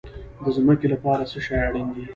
د ځمکې لپاره څه شی اړین دي؟